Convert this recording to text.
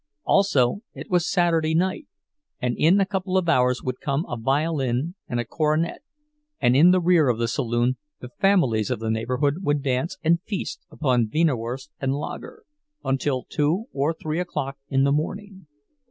Also it was Saturday night, and in a couple of hours would come a violin and a cornet, and in the rear part of the saloon the families of the neighborhood would dance and feast upon wienerwurst and lager, until two or three o'clock in the morning.